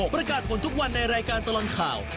ประกาศผลทุกวันในรายการตลอดข่าว